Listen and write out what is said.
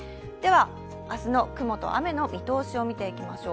明日の雲と雨の見通しを見ていきましょう。